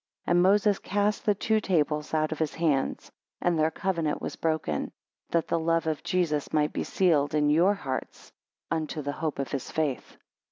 And Moses cast the two tables out of his hands; and their covenant was broken; that the love of Jesus might be sealed in your hearts, unto the hope of his faith.